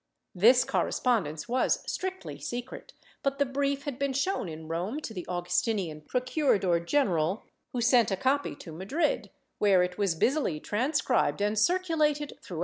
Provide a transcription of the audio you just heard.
This correspondence was strictly secret, but the brief had been shown in Rome to the Augustinian procurador general, who sent a copy to Madrid, where it was busily transcribed and circulated through * Migu^lez, op.